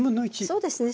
そうですね。